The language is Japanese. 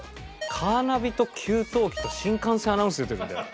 カーナビと給湯器と新幹線アナウンス出てるんだよ。